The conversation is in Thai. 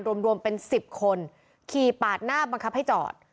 รวมรวมเป็น๑๐คนขี่ปาดหน้าบังคับให้จอด